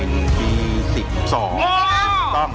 คนพิสิน